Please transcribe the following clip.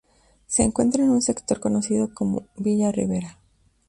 Se encuentra en un sector conocido como "Villa Rivera".